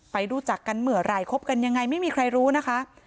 รู้จักกันเมื่อไหร่คบกันยังไงไม่มีใครรู้นะคะ